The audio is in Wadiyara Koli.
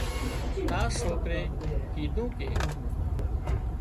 تار سوڪري ڪيڌون ڪي